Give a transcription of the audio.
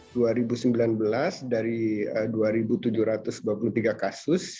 dari dua ribu sembilan belas dari dua tujuh ratus dua puluh tiga kasus